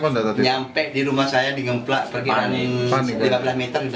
nyampe di rumah saya digemblak berkira kira lima belas meter